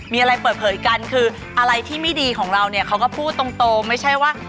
มีอะไรเปิดเผยกันคืออะไรที่ไม่ดีของเราเนี่ยเขาก็พูดตรงไม่ใช่ว่า